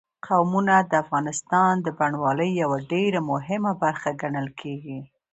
قومونه د افغانستان د بڼوالۍ یوه ډېره مهمه برخه ګڼل کېږي.